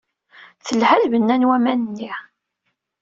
Telha lbenna n waman-nni.